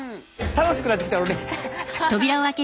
楽しくなってきた！